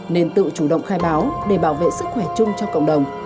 nên tự chủ động khai báo để bảo vệ sức khỏe chung cho cộng đồng